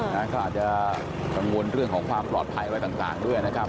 อาจจะกังวลเรื่องของความปลอดภัยอะไรต่างด้วยนะครับ